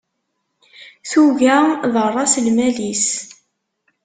Tuga d raṣ-lmal-is.